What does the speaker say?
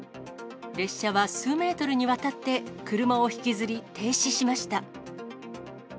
列車は数メートルにわたって車を引きずり、停止しました。